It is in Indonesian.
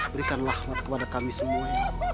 berikan lahmat kepada kami semua